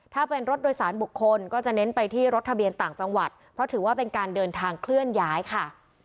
ถ้าเป็นรถโดยสารบุคคลก็จะเน้นไปที่รถทะเบียนต่างจังหวัดเพราะถือว่าเป็นการเดินทางเคลื่อนย้ายค่ะ